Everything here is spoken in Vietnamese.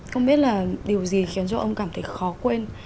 không biết là điều gì khiến cho ông cảm thấy khó quên